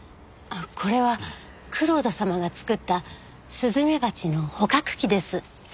これは蔵人様が作ったスズメバチの捕獲器です。